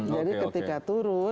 jadi ketika turun